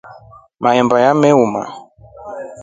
Mahemba yameoma.